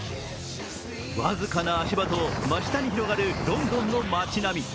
僅かな足場と真下に広がるロンドンの町並み。